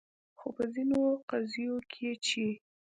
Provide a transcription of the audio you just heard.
خو په ځینو قضیو کې چې